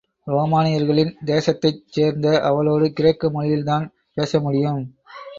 ரோமானியர்களின் தேசத்தைச் சேர்ந்த அவளோடு கிரேக்க மொழியில்தான் பேசமுடியும்.